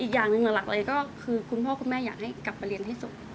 อย่างหนึ่งหลักเลยก็คือคุณพ่อคุณแม่อยากให้กลับไปเรียนให้สุด